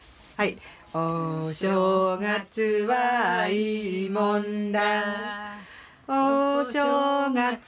「お正月はいいもんだ」